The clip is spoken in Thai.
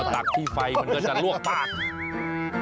ตักที่ไฟมันก็จะลวกปากอืม